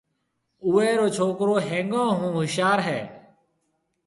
اُوئي رو ڇوڪرو هيَنگو هون هوشيار هيَ۔